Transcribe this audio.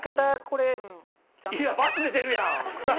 いやバツ出てるやん！